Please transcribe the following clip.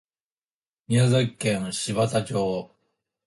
宮城県柴田町